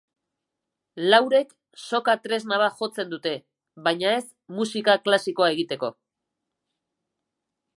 Laurek soka tresna bat jotzen dute, baina ez musika klasikoa egiteko.